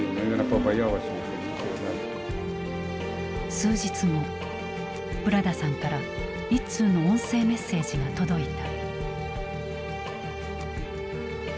数日後ブラダさんから１通の音声メッセージが届いた。